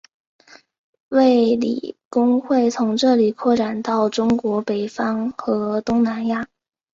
卫理公会从这里扩展到中国北方和东南亚。